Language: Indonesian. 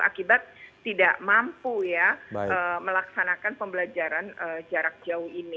akibat tidak mampu ya melaksanakan pembelajaran jarak jauh ini